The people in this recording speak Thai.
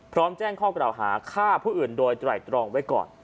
พร้อมแจ้งข้อกระด่าหาฆ่าผู้อื่นโดยไตร่ตรองไว้ก่อน